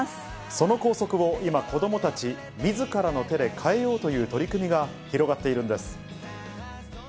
その校則を今、子どもたちみずからの手で変えようという取り組みが広がっているんです。